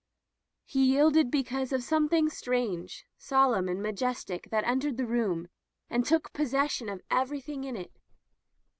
He yielded be cause of something strange, solemn, and majestic that entered the room and took possession of everything in it.